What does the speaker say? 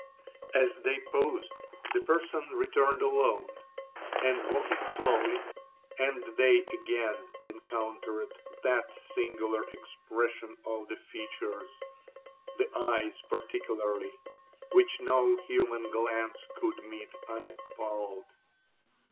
'As they paused, the person returned alone, and walking slowly—and they again encountered that singular expression of the features, (the eyes particularly), which no human glance could meet unappalled.